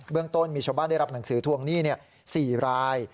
เรื่องต้นมีชาวบ้านได้รับหนังสือทวงหนี้๔ราย